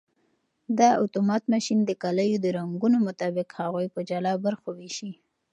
دا اتومات ماشین د کالیو د رنګونو مطابق هغوی په جلا برخو ویشي.